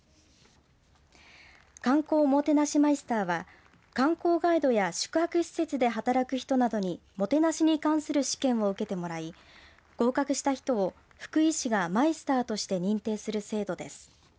観光おもてなしマイスターは観光ガイドや宿泊施設で働く人などにもてなしに関する試験を受けてもらい合格した人を福井市がマイスターとして認定する制度です。